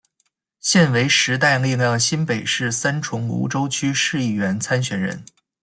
现为时代力量新北市三重芦洲区市议员参选人。